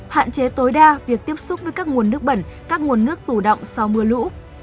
hạn chế tối đa việc tiếp xúc với các nguồn nước bẩn các nguồn nước tủ động sau mưa lũ